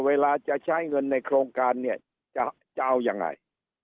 เวลาจะใช้เงินในโครงการเนี่ยจะเอายังไง